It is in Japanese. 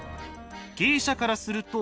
芸者からすると。